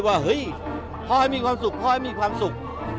ว่าเฮ้ยพ่อให้มีความสุขพ่อให้มีความสุข